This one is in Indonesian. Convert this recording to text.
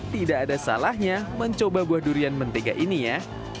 tidak ada salahnya mencoba buah durian mentega ini ya